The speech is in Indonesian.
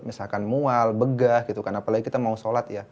misalkan mual begah gitu kan apalagi kita mau sholat ya